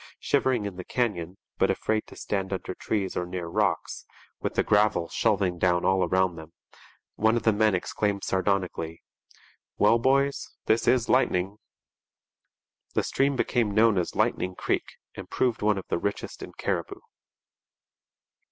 Shivering in the canyon, but afraid to stand under trees or near rocks, with the gravel shelving down all round them, one of the men exclaimed sardonically, 'Well, boys, this is lightning.' The stream became known as Lightning Creek and proved one of the richest in Cariboo.